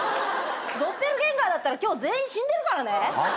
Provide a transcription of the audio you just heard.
ドッペルゲンガーだったら今日全員死んでるからね！